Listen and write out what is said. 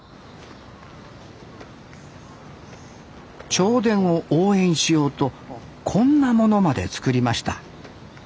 銚電を応援しようとこんなものまで作りました